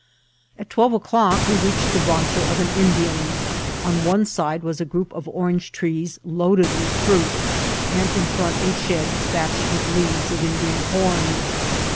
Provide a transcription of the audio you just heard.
At twelve o'clock we reached the rancho of an Indian* On one side was a group of orange trees loaded with fruit, and in front a shed thatched with leaves of Indian corn.